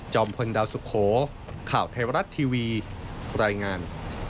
พลดาวสุโขข่าวไทยรัฐทีวีรายงาน